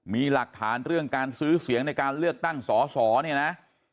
มีหลักฐานเรื่องการซื้อเสียงในการเลือกตั้งสอสอเนี่ยนะ